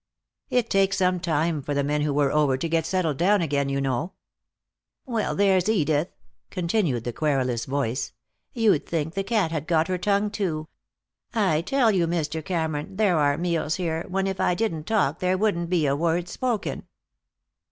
"It takes some time for the men who were over to get settled down again, you know." "Well, there's Edith," continued the querulous voice. "You'd think the cat had got her tongue, too. I tell you, Mr. Cameron, there are meals here when if I didn't talk there wouldn't be a word spoken."